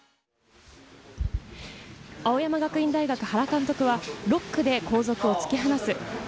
青山学院大学・原監督は６区で後続を突き放す。